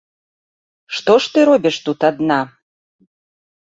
Што ж ты робіш тут адна?